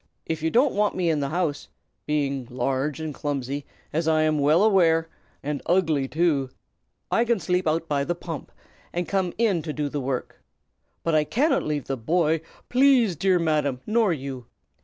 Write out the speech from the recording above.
If you don't want me in the house, being large and clumsy, as I am well aware, and ugly too, I can sleep out by the pump, and come in to do the work. But I cannot leave the boy, please, dear Madam, nor you.